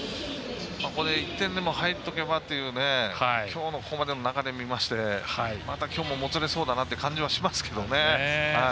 ここで１点でも入っておけばっていうきょうのここまでの流れを見ましてきょうも、もつれそうだなという感じはしますけどね。